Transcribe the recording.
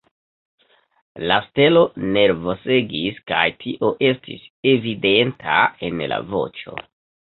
La stelo nervosegis, kaj tio estis evidenta en la voĉo.